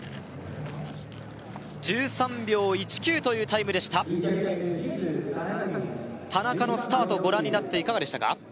１３秒１９というタイムでした田中のスタートご覧になっていかがでしたか？